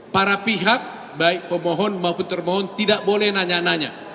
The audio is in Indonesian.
para pihak baik pemohon maupun termohon tidak boleh nanya nanya